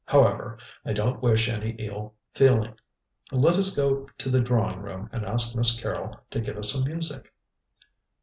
"However, I don't wish any ill feeling. Let us go to the drawing room and ask Miss Carrol to give us some music."